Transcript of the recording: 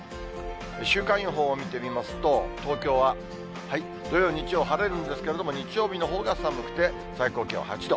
週間予報を見てみますと、東京は、土曜、日曜、晴れるんですけれども、日曜日のほうが寒くて、最高気温８度。